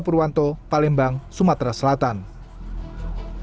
pada saat itu menjalani penjara enam tahun atas kasus narkoba